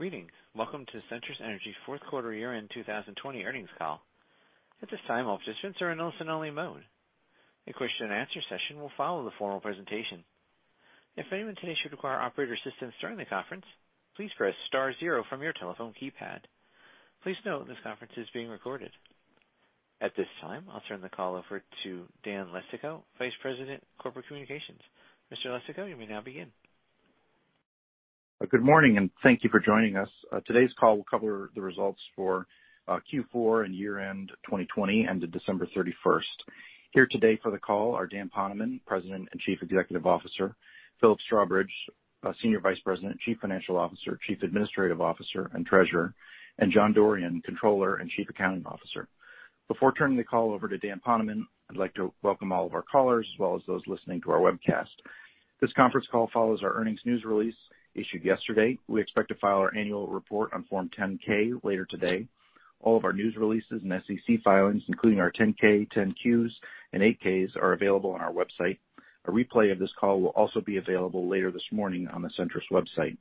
Greetings. Welcome to the Centrus Energy fourth quarter year-end 2020 earnings call. At this time, all participants are in listen-only mode. A question-and-answer session will follow the formal presentation. If anyone today should require operator assistance during the conference, please press star zero from your telephone keypad. Please note this conference is being recorded. At this time, I'll turn the call over to Dan Leistikow, Vice President, Corporate Communications. Mr. Leistikow, you may now begin. Good morning, and thank you for joining us. Today's call will cover the results for Q4 and year-end 2020 ended December 31st. Here today for the call are Dan Poneman, President and Chief Executive Officer, Philip Strawbridge, Senior Vice President, Chief Financial Officer, Chief Administrative Officer, and Treasurer, and John Dorrian, Controller and Chief Accounting Officer. Before turning the call over to Dan Poneman, I'd like to welcome all of our callers as well as those listening to our webcast. This conference call follows our earnings news release issued yesterday. We expect to file our annual report on Form 10-K later today. All of our news releases and SEC filings, including our 10-K, 10-Qs, and 8-Ks, are available on our website. A replay of this call will also be available later this morning on the Centrus website.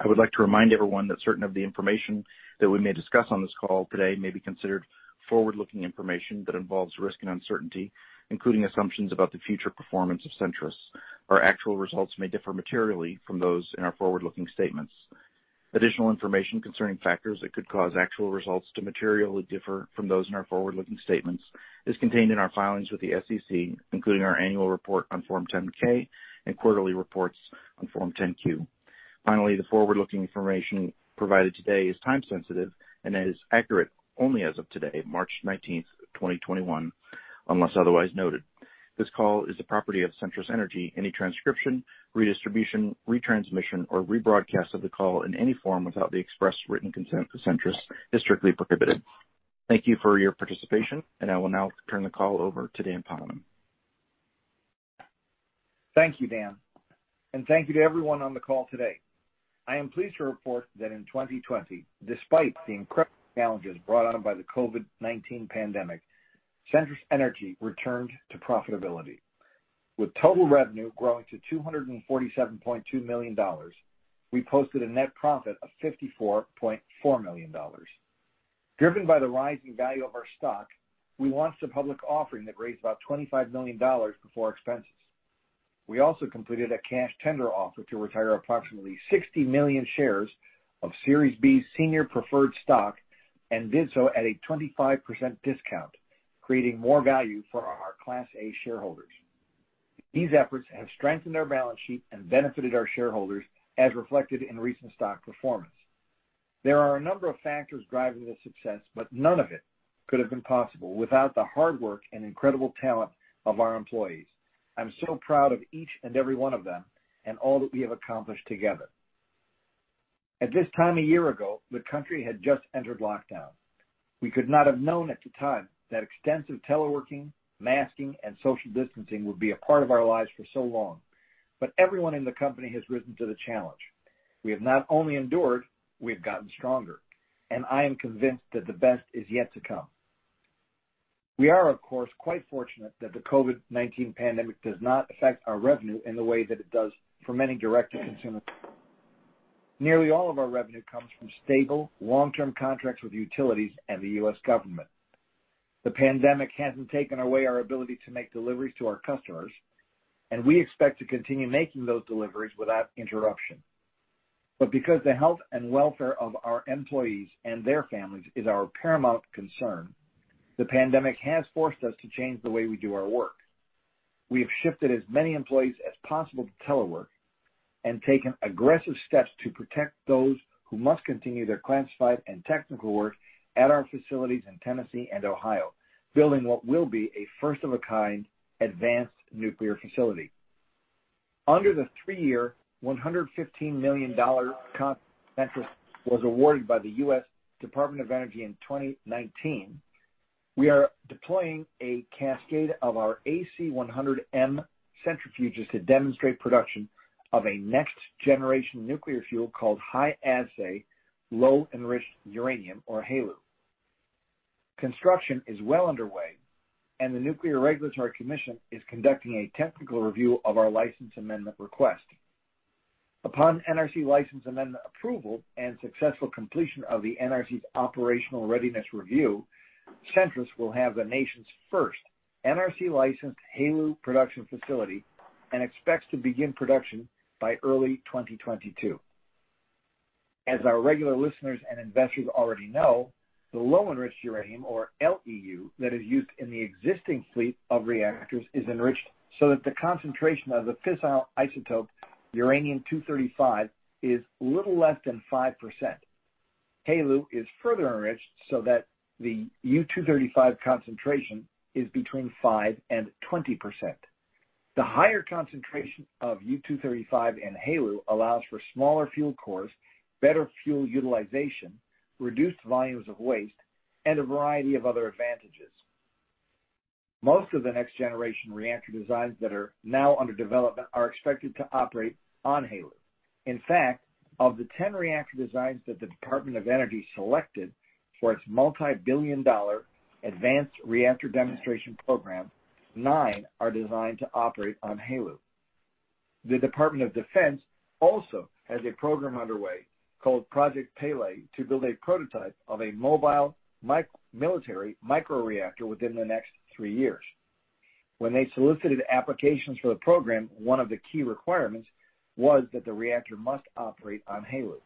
I would like to remind everyone that certain of the information that we may discuss on this call today may be considered forward-looking information that involves risk and uncertainty, including assumptions about the future performance of Centrus. Our actual results may differ materially from those in our forward-looking statements. Additional information concerning factors that could cause actual results to materially differ from those in our forward-looking statements is contained in our filings with the SEC, including our annual report on Form 10-K and quarterly reports on Form 10-Q. Finally, the forward-looking information provided today is time-sensitive and is accurate only as of today, March 19th, 2021, unless otherwise noted. This call is the property of Centrus Energy. Any transcription, redistribution, retransmission, or rebroadcast of the call in any form without the express written consent of Centrus is strictly prohibited. Thank you for your participation, and I will now turn the call over to Dan Poneman. Thank you, Dan, and thank you to everyone on the call today. I am pleased to report that in 2020, despite the incredible challenges brought on by the COVID-19 pandemic, Centrus Energy returned to profitability. With total revenue growing to $247.2 million, we posted a net profit of $54.4 million. Driven by the rising value of our stock, we launched a public offering that raised about $25 million before expenses. We also completed a cash tender offer to retire approximately 60 million shares of Series B Senior Preferred Stock and did so at a 25% discount, creating more value for our Class A shareholders. These efforts have strengthened our balance sheet and benefited our shareholders, as reflected in recent stock performance. There are a number of factors driving this success, but none of it could have been possible without the hard work and incredible talent of our employees. I'm so proud of each and every one of them and all that we have accomplished together. At this time a year ago, the country had just entered lockdown. We could not have known at the time that extensive teleworking, masking, and social distancing would be a part of our lives for so long, but everyone in the company has risen to the challenge. We have not only endured. We have gotten stronger, and I am convinced that the best is yet to come. We are, of course, quite fortunate that the COVID-19 pandemic does not affect our revenue in the way that it does for many direct-to-consumer. Nearly all of our revenue comes from stable, long-term contracts with utilities and the U.S. government. The pandemic hasn't taken away our ability to make deliveries to our customers, and we expect to continue making those deliveries without interruption. But because the health and welfare of our employees and their families is our paramount concern, the pandemic has forced us to change the way we do our work. We have shifted as many employees as possible to telework and taken aggressive steps to protect those who must continue their classified and technical work at our facilities in Tennessee and Ohio, building what will be a first-of-a-kind advanced nuclear facility. Under the three-year, $115 million contract that Centrus was awarded by the U.S. Department of Energy in 2019, we are deploying a cascade of our AC100M centrifuges to demonstrate production of a next-generation nuclear fuel called high-assay, low-enriched uranium, or HALEU. Construction is well underway, and the Nuclear Regulatory Commission is conducting a technical review of our license amendment request. Upon NRC license amendment approval and successful completion of the NRC's Operational Readiness Review, Centrus will have the nation's first NRC-licensed HALEU production facility and expects to begin production by early 2022. As our regular listeners and investors already know, the low-enriched uranium, or LEU, that is used in the existing fleet of reactors is enriched so that the concentration of the fissile isotope, uranium-235, is a little less than 5%. HALEU is further enriched so that the U-235 concentration is between 5%-20%. The higher concentration of U-235 in HALEU allows for smaller fuel cores, better fuel utilization, reduced volumes of waste, and a variety of other advantages. Most of the next-generation reactor designs that are now under development are expected to operate on HALEU. In fact, of the 10 reactor designs that the Department of Energy selected for its multi-billion-dollar Advanced Reactor Demonstration Program, 9 are designed to operate on HALEU. The Department of Defense also has a program underway called Project Pele to build a prototype of a mobile military micro-reactor within the next three years. When they solicited applications for the program, one of the key requirements was that the reactor must operate on HALEU.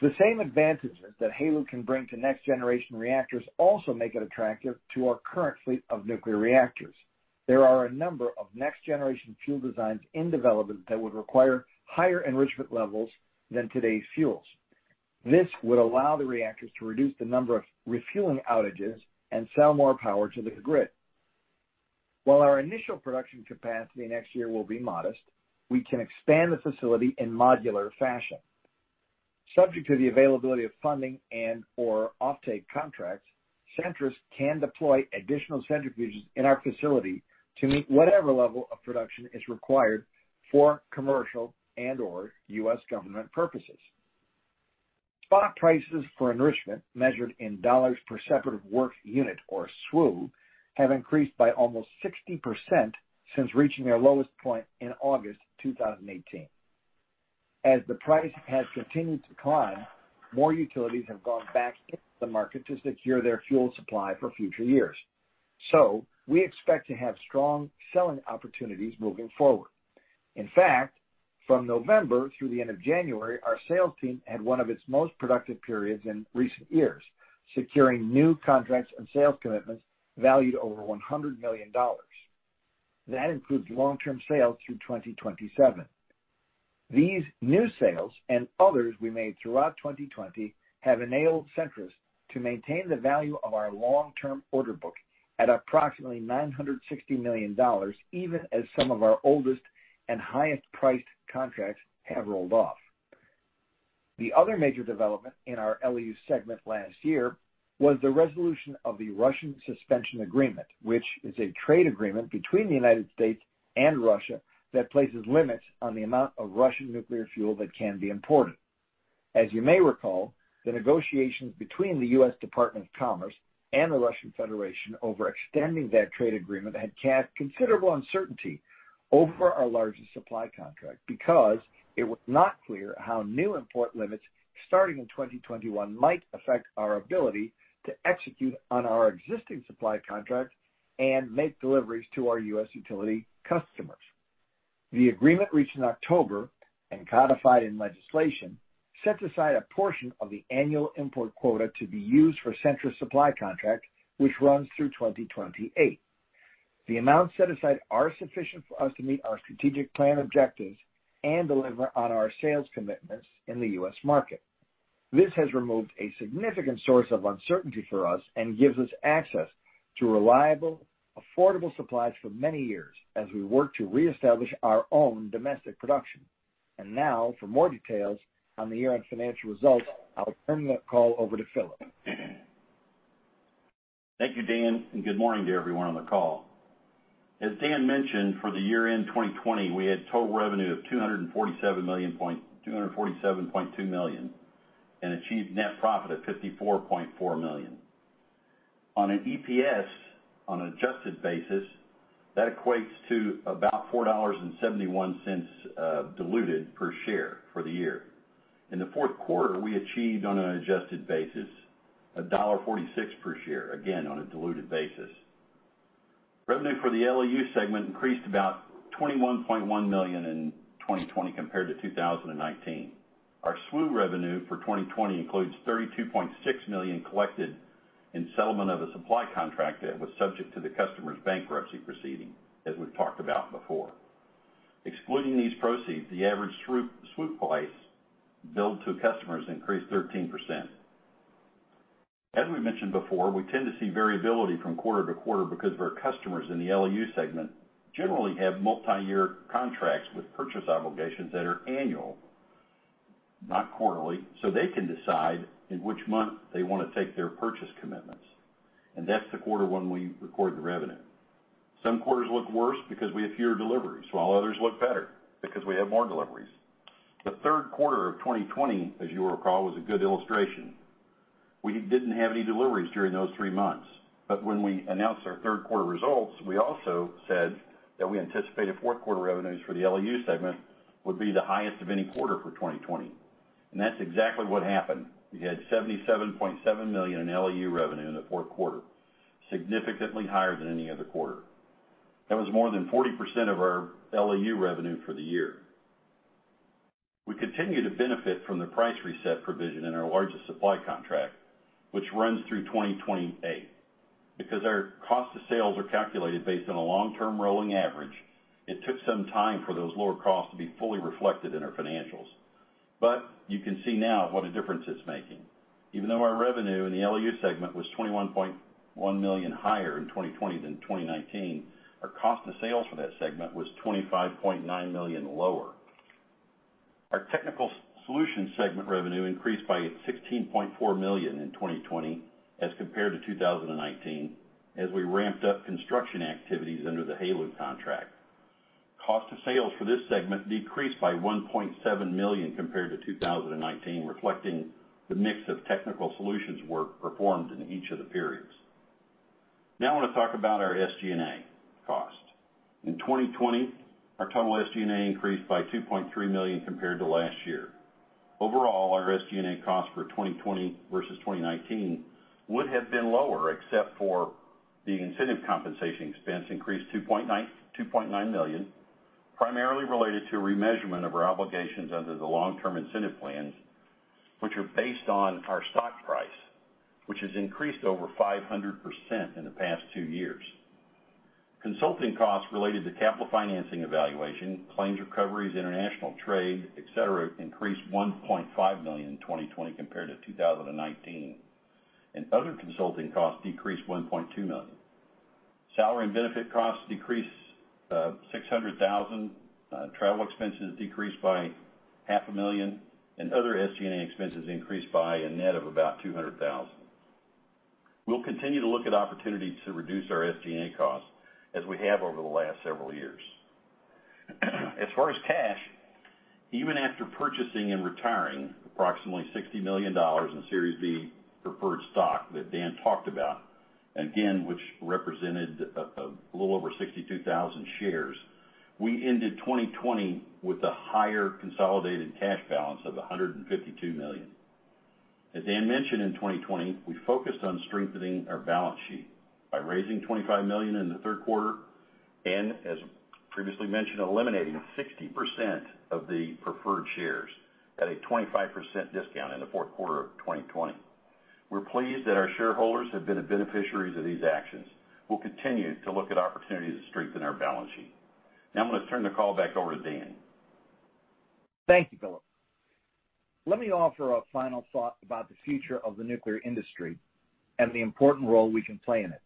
The same advantages that HALEU can bring to next-generation reactors also make it attractive to our current fleet of nuclear reactors. There are a number of next-generation fuel designs in development that would require higher enrichment levels than today's fuels. This would allow the reactors to reduce the number of refueling outages and sell more power to the grid. While our initial production capacity next year will be modest, we can expand the facility in modular fashion. Subject to the availability of funding and/or off-take contracts, Centrus can deploy additional centrifuges in our facility to meet whatever level of production is required for commercial and/or U.S. government purposes. Spot prices for enrichment, measured in dollars per separative work unit, or SWU, have increased by almost 60% since reaching their lowest point in August 2018. As the price has continued to climb, more utilities have gone back into the market to secure their fuel supply for future years. So we expect to have strong selling opportunities moving forward. In fact, from November through the end of January, our sales team had one of its most productive periods in recent years, securing new contracts and sales commitments valued over $100 million. That includes long-term sales through 2027. These new sales and others we made throughout 2020 have enabled Centrus to maintain the value of our long-term order book at approximately $960 million, even as some of our oldest and highest-priced contracts have rolled off. The other major development in our LEU segment last year was the resolution of the Russian Suspension Agreement, which is a trade agreement between the United States and Russia that places limits on the amount of Russian nuclear fuel that can be imported. As you may recall, the negotiations between the U.S. Department of Commerce and the Russian Federation over extending that trade agreement had cast considerable uncertainty over our largest supply contract because it was not clear how new import limits starting in 2021 might affect our ability to execute on our existing supply contract and make deliveries to our U.S. utility customers. The agreement reached in October and codified in legislation set aside a portion of the annual import quota to be used for Centrus' supply contract, which runs through 2028. The amounts set aside are sufficient for us to meet our strategic plan objectives and deliver on our sales commitments in the U.S. market. This has removed a significant source of uncertainty for us and gives us access to reliable, affordable supplies for many years as we work to reestablish our own domestic production, and now, for more details on the year-end financial results, I'll turn the call over to Philip. Thank you, Dan, and good morning to everyone on the call. As Dan mentioned, for the year-end 2020, we had total revenue of $247.2 million and achieved net profit of $54.4 million. On an EPS, on an adjusted basis, that equates to about $4.71 diluted per share for the year. In the fourth quarter, we achieved, on an adjusted basis, $1.46 per share, again on a diluted basis. Revenue for the LEU segment increased about $21.1 million in 2020 compared to 2019. Our SWU revenue for 2020 includes $32.6 million collected in settlement of a supply contract that was subject to the customer's bankruptcy proceeding, as we've talked about before. Excluding these proceeds, the average SWU price billed to customers increased 13%. As we mentioned before, we tend to see variability from quarter to quarter because our customers in the LEU segment generally have multi-year contracts with purchase obligations that are annual, not quarterly, so they can decide in which month they want to take their purchase commitments, and that's the quarter when we record the revenue. Some quarters look worse because we have fewer deliveries, while others look better because we have more deliveries. The third quarter of 2020, as you'll recall, was a good illustration. We didn't have any deliveries during those three months, but when we announced our third quarter results, we also said that we anticipated fourth quarter revenues for the LEU segment would be the highest of any quarter for 2020, and that's exactly what happened. We had $77.7 million in LEU revenue in the fourth quarter, significantly higher than any other quarter. That was more than 40% of our LEU revenue for the year. We continue to benefit from the price reset provision in our largest supply contract, which runs through 2028. Because our cost of sales are calculated based on a long-term rolling average, it took some time for those lower costs to be fully reflected in our financials. But you can see now what a difference it's making. Even though our revenue in the LEU segment was $21.1 million higher in 2020 than 2019, our cost of sales for that segment was $25.9 million lower. Our technical solution segment revenue increased by $16.4 million in 2020 as compared to 2019 as we ramped up construction activities under the HALEU contract. Cost of sales for this segment decreased by $1.7 million compared to 2019, reflecting the mix of technical solutions work performed in each of the periods. Now I want to talk about our SG&A cost. In 2020, our total SG&A increased by $2.3 million compared to last year. Overall, our SG&A cost for 2020 versus 2019 would have been lower except for the incentive compensation expense increased $2.9 million, primarily related to a remeasurement of our obligations under the long-term incentive plans, which are based on our stock price, which has increased over 500% in the past two years. Consulting costs related to capital financing evaluation, claims recoveries, international trade, etc., increased $1.5 million in 2020 compared to 2019, and other consulting costs decreased $1.2 million. Salary and benefit costs decreased $600,000. Travel expenses decreased by $500,000, and other SG&A expenses increased by a net of about $200,000. We'll continue to look at opportunities to reduce our SG&A costs as we have over the last several years. As far as cash, even after purchasing and retiring approximately $60 million in Series B preferred stock that Dan talked about, again, which represented a little over 62,000 shares, we ended 2020 with a higher consolidated cash balance of $152 million. As Dan mentioned in 2020, we focused on strengthening our balance sheet by raising $25 million in the third quarter and, as previously mentioned, eliminating 60% of the preferred shares at a 25% discount in the fourth quarter of 2020. We're pleased that our shareholders have been beneficiaries of these actions. We'll continue to look at opportunities to strengthen our balance sheet. Now I'm going to turn the call back over to Dan. Thank you, Philip. Let me offer a final thought about the future of the nuclear industry and the important role we can play in it.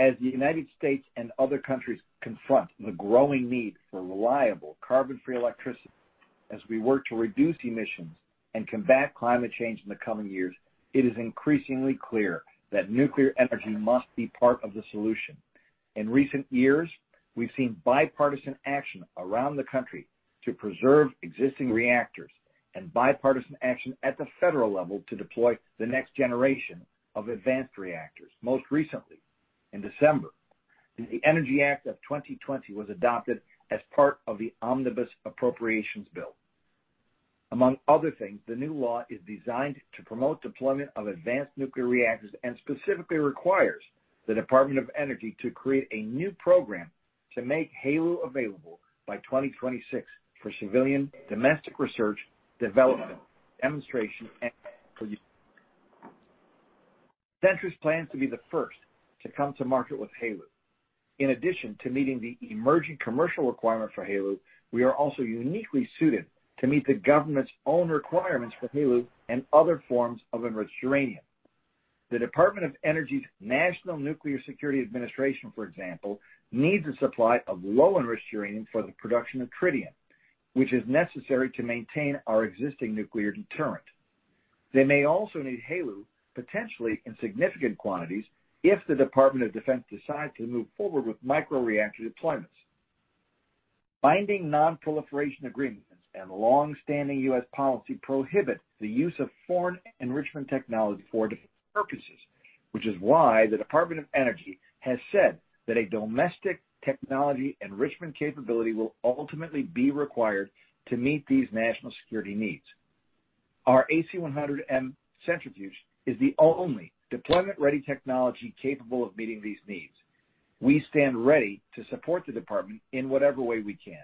As the United States and other countries confront the growing need for reliable, carbon-free electricity as we work to reduce emissions and combat climate change in the coming years, it is increasingly clear that nuclear energy must be part of the solution. In recent years, we've seen bipartisan action around the country to preserve existing reactors and bipartisan action at the federal level to deploy the next generation of advanced reactors, most recently in December. The Energy Act of 2020 was adopted as part of the Omnibus Appropriations Bill. Among other things, the new law is designed to promote deployment of advanced nuclear reactors and specifically requires the Department of Energy to create a new program to make HALEU available by 2026 for civilian domestic research, development, demonstration, and use. Centrus plans to be the first to come to market with HALEU. In addition to meeting the emerging commercial requirement for HALEU, we are also uniquely suited to meet the government's own requirements for HALEU and other forms of enriched uranium. The Department of Energy's National Nuclear Security Administration, for example, needs a supply of low-enriched uranium for the production of tritium, which is necessary to maintain our existing nuclear deterrent. They may also need HALEU, potentially in significant quantities, if the Department of Defense decides to move forward with micro-reactor deployments. Binding non-proliferation agreements and long-standing U.S. policies prohibit the use of foreign enrichment technology for defense purposes, which is why the Department of Energy has said that a domestic technology enrichment capability will ultimately be required to meet these national security needs. Our AC100M centrifuge is the only deployment-ready technology capable of meeting these needs. We stand ready to support the Department in whatever way we can.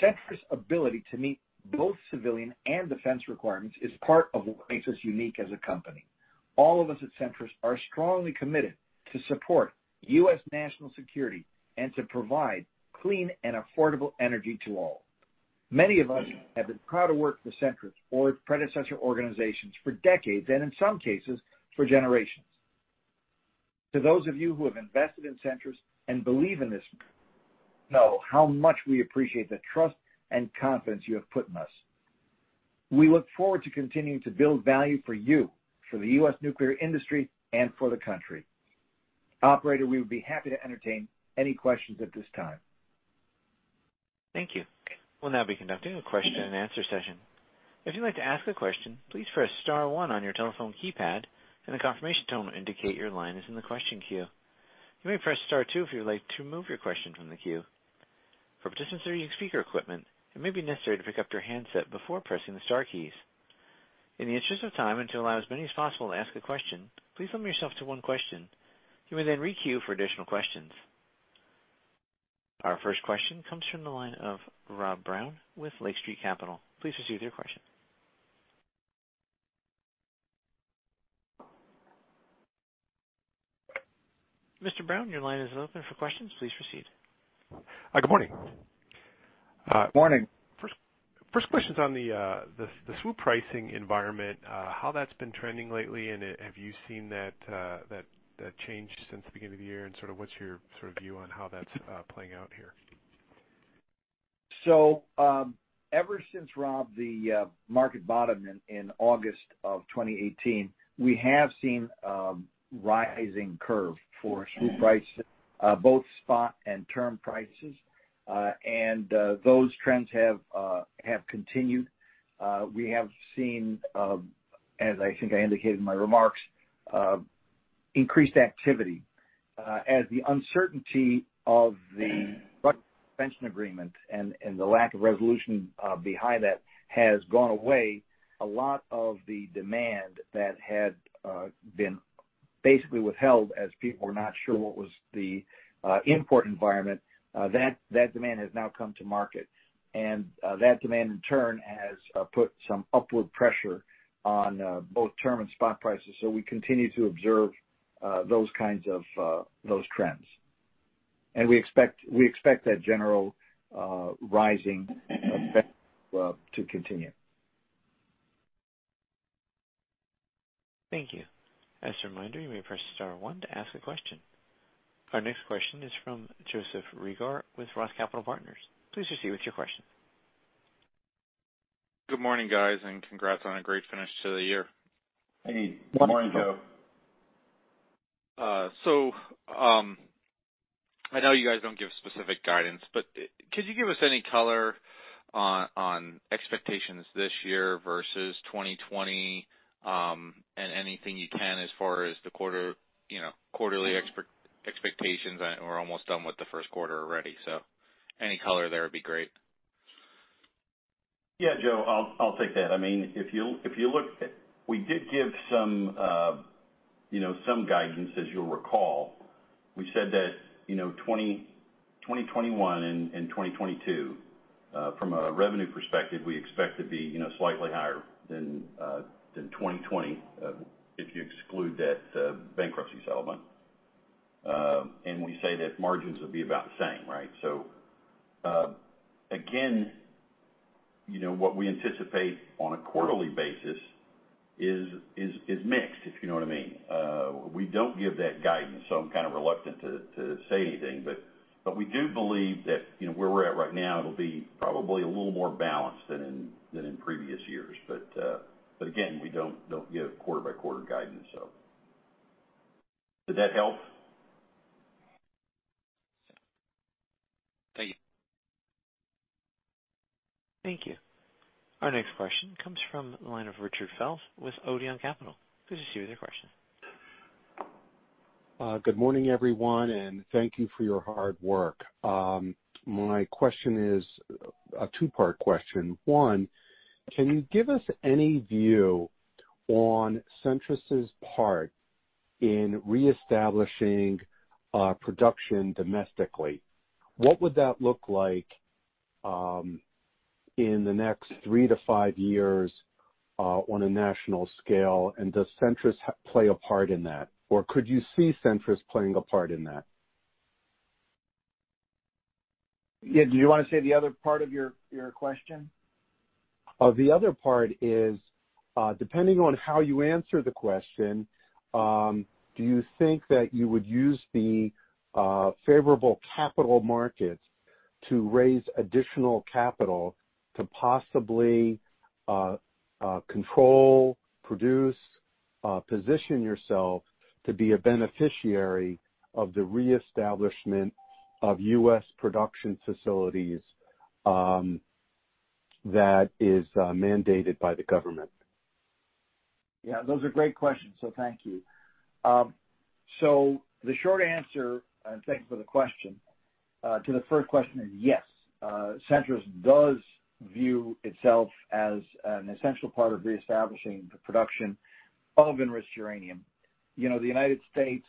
Centrus' ability to meet both civilian and defense requirements is part of what makes us unique as a company. All of us at Centrus are strongly committed to support U.S. national security and to provide clean and affordable energy to all. Many of us have been proud to work for Centrus or its predecessor organizations for decades and, in some cases, for generations. To those of you who have invested in Centrus and believe in this, know how much we appreciate the trust and confidence you have put in us. We look forward to continuing to build value for you, for the U.S. nuclear industry, and for the country. Operator, we would be happy to entertain any questions at this time. Thank you. We'll now be conducting a question-and-answer session. If you'd like to ask a question, please press star one on your telephone keypad, and a confirmation tone will indicate your line is in the question queue. You may press star two if you'd like to remove your question from the queue. For participants that are using speaker equipment, it may be necessary to pick up your handset before pressing the star keys. In the interest of time and to allow as many as possible to ask a question, please limit yourself to one question. You may then re-queue for additional questions. Our first question comes from the line of Rob Brown with Lake Street Capital. Please proceed with your question. Mr. Brown, your line is open for questions. Please proceed. Hi, good morning. Good morning. First question's on the SWU pricing environment, how that's been trending lately, and have you seen that change since the beginning of the year, and sort of what's your sort of view on how that's playing out here? So, ever since, Rob, the market bottomed in August of 2018, we have seen a rising curve for SWU prices, both spot and term prices, and those trends have continued. We have seen, as I think I indicated in my remarks, increased activity. As the uncertainty of the defense agreement and the lack of resolution behind that has gone away, a lot of the demand that had been basically withheld as people were not sure what was the import environment, that demand has now come to market. And that demand, in turn, has put some upward pressure on both term and spot prices, so we continue to observe those kinds of trends. And we expect that general rising effect to continue. Thank you. As a reminder, you may press star one to ask a question. Our next question is from Joseph Reagor with Roth Capital Partners. Please proceed with your question. Good morning, guys, and congrats on a great finish to the year. Hey.Morning, Joe. So I know you guys don't give specific guidance, but could you give us any color on expectations this year versus 2020 and anything you can as far as the quarterly expectations? We're almost done with the first quarter already, so any color there would be great. Yeah, Joe, I'll take that. I mean, if you look, we did give some guidance, as you'll recall. We said that 2021 and 2022, from a revenue perspective, we expect to be slightly higher than 2020 if you exclude that bankruptcy settlement. And we say that margins would be about the same, right? So again, what we anticipate on a quarterly basis is mixed, if you know what I mean. We don't give that guidance, so I'm kind of reluctant to say anything, but we do believe that where we're at right now, it'll be probably a little more balanced than in previous years. But again, we don't give quarter-by-quarter guidance, so. Did that help? Thank you. Thank you. Our next question comes from the line of Richard Fels with Odeon Capital. Please proceed with your question. Good morning, everyone, and thank you for your hard work. My question is a two-part question. One, can you give us any view on Centrus' part in reestablishing production domestically? What would that look like in the next three to five years on a national scale, and does Centrus play a part in that, or could you see Centrus playing a part in that? Yeah, did you want to say the other part of your question? The other part is, depending on how you answer the question, do you think that you would use the favorable capital markets to raise additional capital to possibly control, produce, position yourself to be a beneficiary of the reestablishment of U.S. production facilities that is mandated by the government? Yeah, those are great questions, so thank you. So the short answer, and thank you for the question, to the first question is yes. Centrus does view itself as an essential part of reestablishing the production of enriched uranium. The United States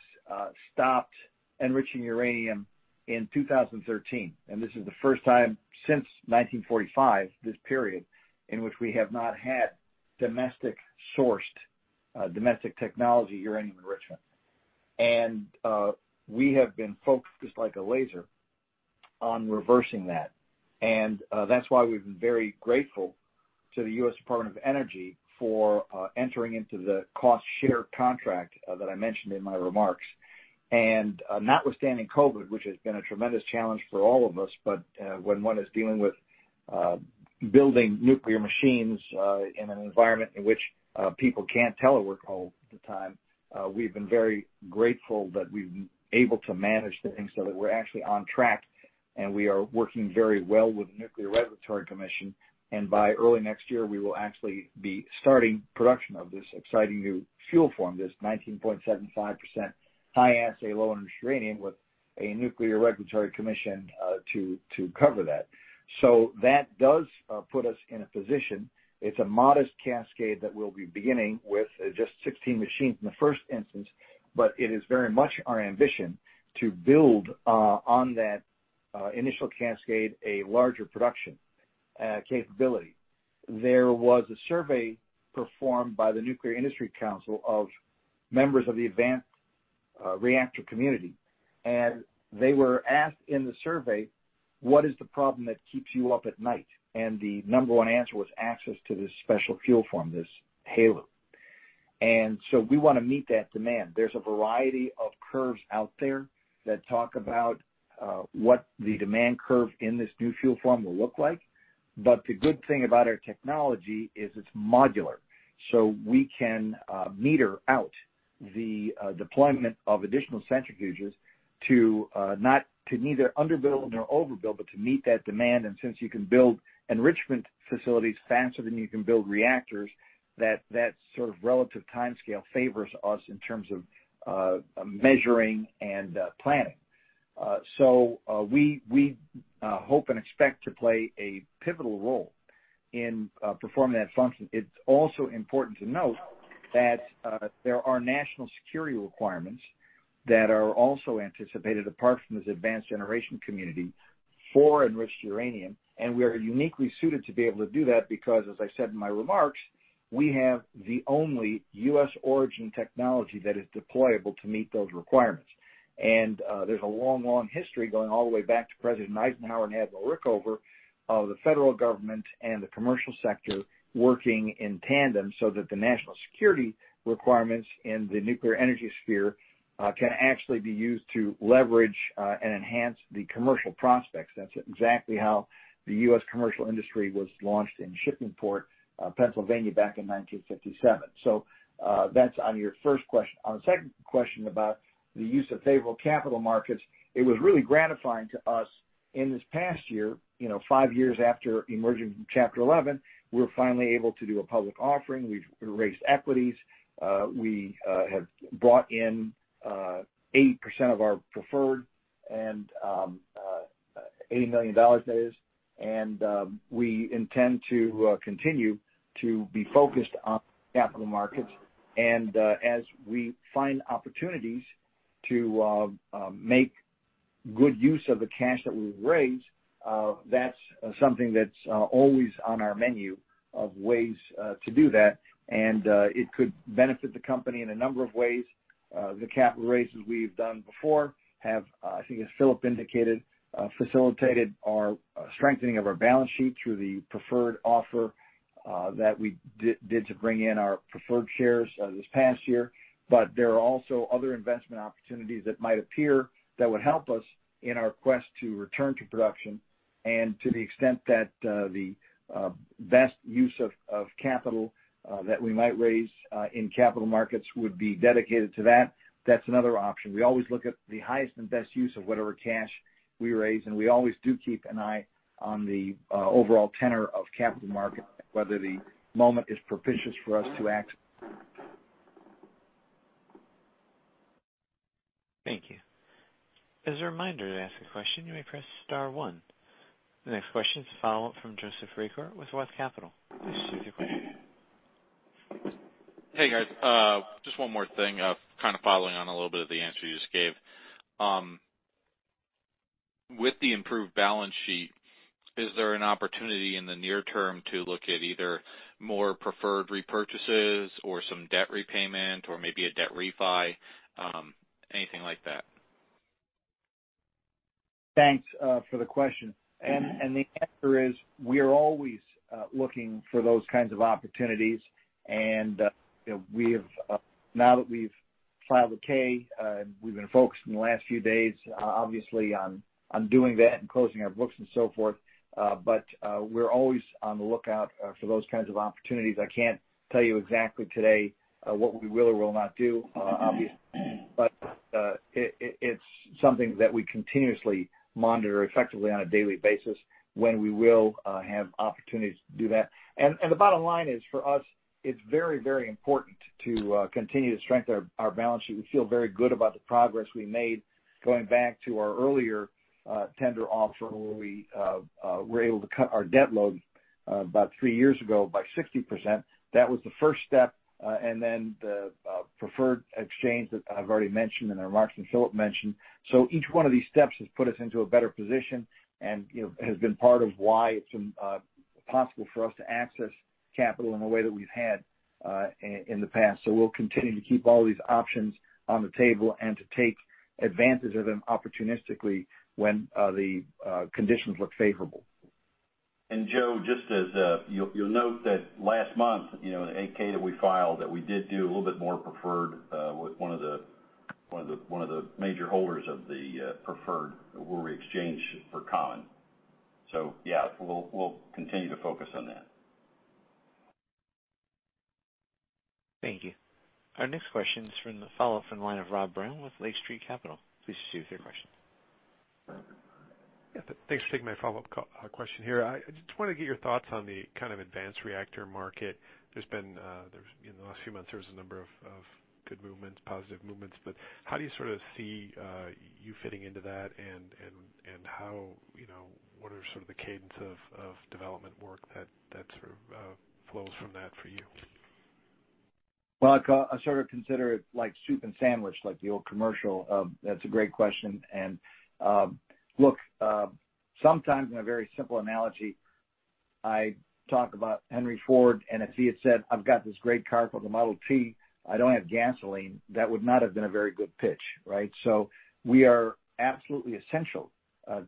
stopped enriching uranium in 2013, and this is the first time since 1945, this period, in which we have not had domestic-sourced, domestic technology uranium enrichment. And we have been focused like a laser on reversing that. And that's why we've been very grateful to the U.S. Department of Energy for entering into the cost-share contract that I mentioned in my remarks. Notwithstanding COVID, which has been a tremendous challenge for all of us, but when one is dealing with building nuclear machines in an environment in which people can't telework all the time, we've been very grateful that we've been able to manage things so that we're actually on track, and we are working very well with the Nuclear Regulatory Commission. By early next year, we will actually be starting production of this exciting new fuel form, this 19.75% high-assay, low-enriched uranium, with a Nuclear Regulatory Commission to cover that. That does put us in a position. It's a modest cascade that we'll be beginning with just 16 machines in the first instance, but it is very much our ambition to build on that initial cascade a larger production capability. There was a survey performed by the U.S. Nuclear Industry Council of members of the advanced reactor community, and they were asked in the survey, "What is the problem that keeps you up at night?" And the number one answer was access to this special fuel form, this HALEU. And so we want to meet that demand. There's a variety of curves out there that talk about what the demand curve in this new fuel form will look like, but the good thing about our technology is it's modular, so we can meter out the deployment of additional centrifuges to neither underbuild nor overbuild, but to meet that demand. And since you can build enrichment facilities faster than you can build reactors, that sort of relative timescale favors us in terms of measuring and planning. So we hope and expect to play a pivotal role in performing that function. It's also important to note that there are national security requirements that are also anticipated apart from this advanced generation community for enriched uranium, and we are uniquely suited to be able to do that because, as I said in my remarks, we have the only U.S. origin technology that is deployable to meet those requirements. And there's a long, long history going all the way back to President Eisenhower and Admiral Rickover of the federal government and the commercial sector working in tandem so that the national security requirements in the nuclear energy sphere can actually be used to leverage and enhance the commercial prospects. That's exactly how the U.S. commercial industry was launched in Shippingport, Pennsylvania, back in 1957. So that's on your first question. On the second question about the use of favorable capital markets, it was really gratifying to us in this past year, five years after emerging from Chapter 11. We're finally able to do a public offering. We've raised equities. We have brought in 80% of our preferred, and $80 million, that is, and we intend to continue to be focused on capital markets. As we find opportunities to make good use of the cash that we raise, that's something that's always on our menu of ways to do that. It could benefit the company in a number of ways. The capital raises we've done before have, I think as Philip indicated, facilitated our strengthening of our balance sheet through the preferred offer that we did to bring in our preferred shares this past year. But there are also other investment opportunities that might appear that would help us in our quest to return to production. And to the extent that the best use of capital that we might raise in capital markets would be dedicated to that, that's another option. We always look at the highest and best use of whatever cash we raise, and we always do keep an eye on the overall tenor of capital markets, whether the moment is propitious for us to act. Thank you. As a reminder to ask a question, you may press star one. The next question is a follow-up from Joseph Reagor with Roth Capital. Please proceed with your question. Hey, guys. Just one more thing, kind of following on a little bit of the answer you just gave. With the improved balance sheet, is there an opportunity in the near term to look at either more preferred repurchases or some debt repayment or maybe a debt refi, anything like that? Thanks for the question. And the answer is we are always looking for those kinds of opportunities, and now that we've filed the K, we've been focused in the last few days, obviously, on doing that and closing our books and so forth. But we're always on the lookout for those kinds of opportunities. I can't tell you exactly today what we will or will not do, obviously, but it's something that we continuously monitor effectively on a daily basis when we will have opportunities to do that. And the bottom line is, for us, it's very, very important to continue to strengthen our balance sheet. We feel very good about the progress we made going back to our earlier tender offer where we were able to cut our debt load about three years ago by 60%. That was the first step, and then the preferred exchange that I've already mentioned in the remarks and Philip mentioned. So each one of these steps has put us into a better position and has been part of why it's possible for us to access capital in a way that we've had in the past. So we'll continue to keep all these options on the table and to take advantage of them opportunistically when the conditions look favorable. And Joe, just as you'll note that last month, the 8-K that we filed, that we did do a little bit more preferred with one of the major holders of the preferred where we exchange for common. So yeah, we'll continue to focus on that. Thank you. Our next question is from the follow-up from the line of Rob Brown with Lake Street Capital. Please proceed with your question. Thanks for taking my follow-up question here. I just want to get your thoughts on the kind of advanced reactor market. There's been, in the last few months, there was a number of good movements, positive movements, but how do you sort of see you fitting into that, and what are sort of the cadence of development work that sort of flows from that for you? I sort of consider it like soup and sandwich, like the old commercial. That's a great question. And look, sometimes, in a very simple analogy, I talk about Henry Ford, and if he had said, "I've got this great car called the Model T, I don't have gasoline," that would not have been a very good pitch, right? So we are absolutely essential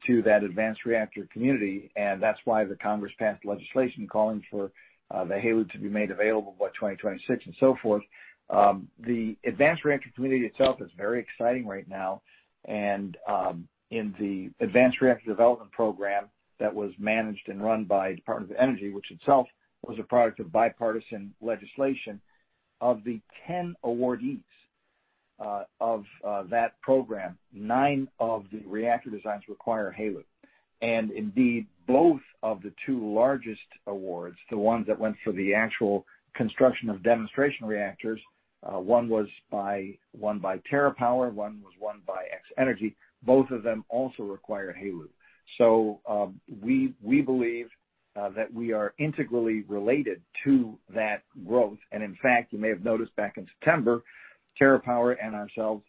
to that advanced reactor community, and that's why the Congress passed legislation calling for the HALEU to be made available by 2026 and so forth. The advanced reactor community itself is very exciting right now. And in the advanced reactor development program that was managed and run by the Department of Energy, which itself was a product of bipartisan legislation, of the 10 awardees of that program, nine of the reactor designs require HALEU. And indeed, both of the two largest awards, the ones that went for the actual construction of demonstration reactors, one was by TerraPower, one was won by X-energy, both of them also require HALEU. So we believe that we are integrally related to that growth. And in fact, you may have noticed back in September, TerraPower and ourselves,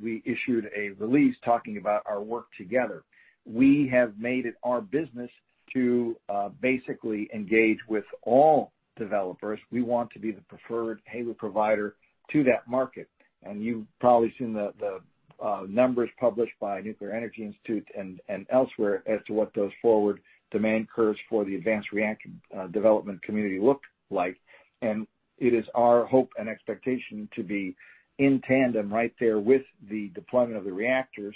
we issued a release talking about our work together. We have made it our business to basically engage with all developers. We want to be the preferred HALEU provider to that market. And you've probably seen the numbers published by Nuclear Energy Institute and elsewhere as to what those forward demand curves for the advanced reactor development community look like. And it is our hope and expectation to be in tandem right there with the deployment of the reactors,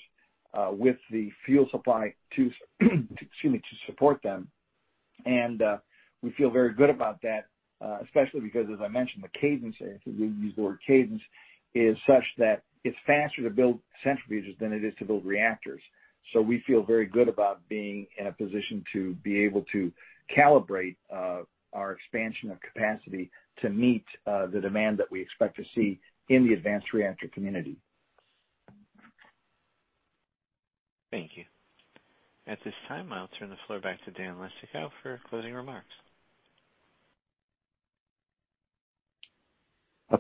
with the fuel supply to, excuse me, to support them. And we feel very good about that, especially because, as I mentioned, the cadence, I think you used the word cadence, is such that it's faster to build centrifuges than it is to build reactors. So we feel very good about being in a position to be able to calibrate our expansion of capacity to meet the demand that we expect to see in the advanced reactor community. Thank you. At this time, I'll turn the floor back to Dan Leistikow for closing remarks.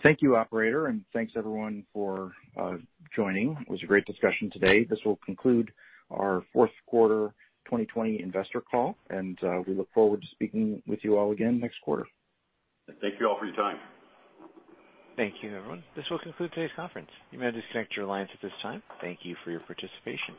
Thank you, operator, and thanks everyone for joining. It was a great discussion today. This will conclude our fourth quarter 2020 investor call, and we look forward to speaking with you all again next quarter. Thank you all for your time. Thank you, everyone. This will conclude today's conference. You may disconnect your lines at this time. Thank you for your participation.